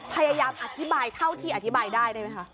พยายามอธิบายเท่าที่อธิบายได้ได้ไหมคะ